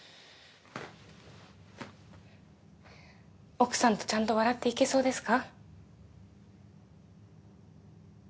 奥さんとちゃんと笑っていけそうですか？